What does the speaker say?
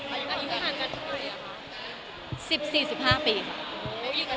อายุมันมีปัญหากันเมื่อไหร่หรือคะ